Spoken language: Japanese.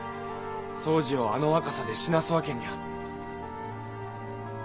総司をあの若さで死なすわけには。